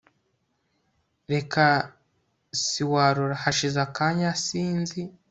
reka siwarora Hashize akanya sinzi